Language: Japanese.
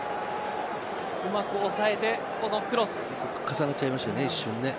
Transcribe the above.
うまく抑えて、このクロス。重なっちゃいましたね一瞬。